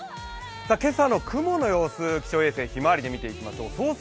今朝の雲の様子、気象衛星ひまわりで見ていきましょう。